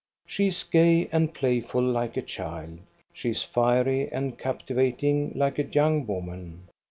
She is gay and playful like a child. She is fiery and captivating like a young woman.